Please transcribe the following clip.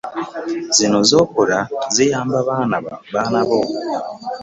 Zino z'okola ziyamba baana bo.